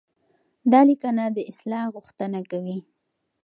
دا ليکنه د اصلاح غوښتنه کوي.